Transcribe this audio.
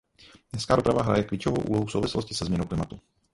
Městská doprava hraje klíčovou úlohu v souvislosti se změnou klimatu.